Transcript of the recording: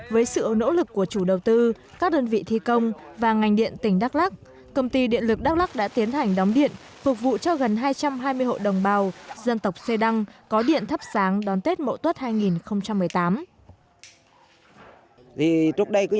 với sự nỗ lực của chủ đầu tư các đơn vị thi công và ngành điện tỉnh đắk lắc công ty điện lực đắk lắc đã tiến hành đóng điện phục vụ cho gần hai trăm hai mươi hộ đồng bào dân tộc xê đăng có điện thắp sáng đón tết mậu tuất hai nghìn một mươi tám